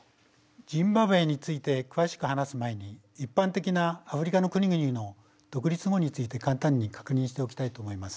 ジンバブエについて詳しく話す前に一般的なアフリカの国々の独立後について簡単に確認しておきたいと思います。